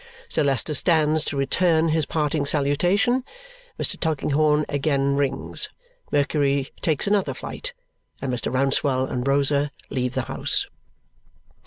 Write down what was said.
Sir Leicester stands to return his parting salutation, Mr. Tulkinghorn again rings, Mercury takes another flight, and Mr. Rouncewell and Rosa leave the house.